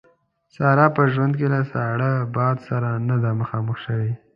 ساره په ژوند کې له ساړه باد سره نه ده مخامخ شوې.